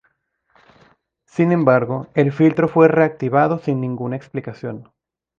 Sin embargo, el filtro fue reactivado sin ninguna explicación.